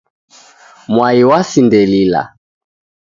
Mwai wasindelila